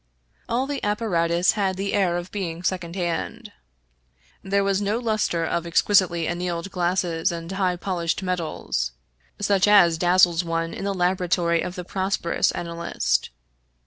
All the apparatus had the air of being second hand. There was no luster of ex quisitely annealed glass and highly polished metals, such as dazzles one in the laboratory of the prosperous analyst.